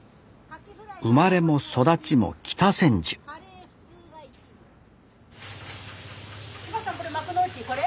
生まれも育ちも北千住これ幕の内これ？